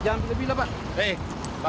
jangan lebih lah pak